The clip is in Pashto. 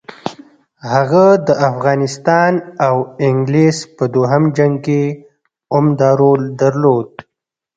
هغه د افغانستان او انګلیس په دوهم جنګ کې عمده رول درلود.